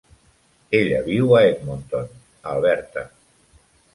Ella viu a Edmonton, Alberta.